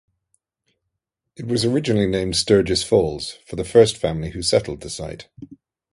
It was originally named Sturgis Falls, for the first family who settled the site.